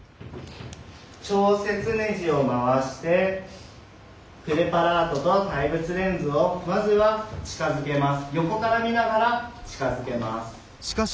調節ねじを回してプレパラートと対物レンズをまずは近づけます。